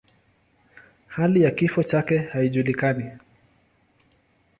Hali ya kifo chake haijulikani.